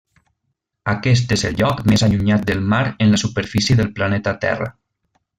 Aquest és el lloc més allunyat del mar en la superfície del planeta Terra.